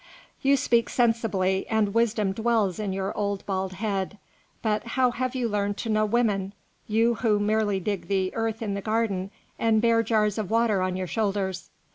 "You speak sensibly, and wisdom dwells in your old bald head. But how have you learned to know women, you who merely dig the earth in the garden and bear jars of water on your shoulders?"